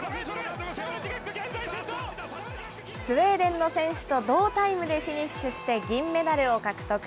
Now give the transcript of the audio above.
スウェーデンの選手と同タイムでフィニッシュして銀メダルを獲得。